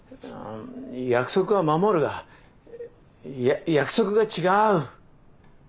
約束は守るが約束が違う。